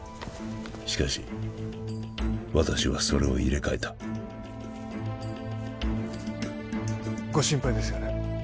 しかし私はそれを入れ替えたご心配ですよね？